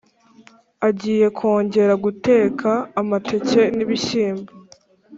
agiye kwongera guteka amateke n’ibishyimbo,